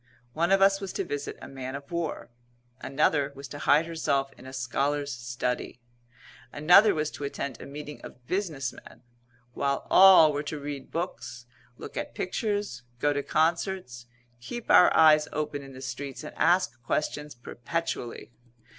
One of us was to visit a man of war; another was to hide herself in a scholar's study; another was to attend a meeting of business men; while all were to read books, look at pictures, go to concerts, keep our eyes open in the streets, and ask questions perpetually.